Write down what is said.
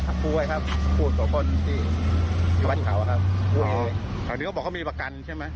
ทางนี้เขาบอกเขามีประกันใช่ไหม